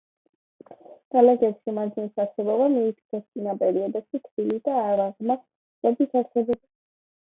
ნალექებში მარჯნის არსებობა მიუთითებს წინა პერიოდებში თბილი და არაღრმა ზღვების არსებობას.